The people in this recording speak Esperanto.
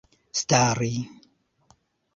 stari